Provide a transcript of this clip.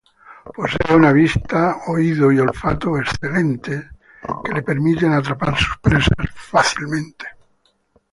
Posee una vista, oído y olfato excelentes, que le permite atrapar sus presas fácilmente.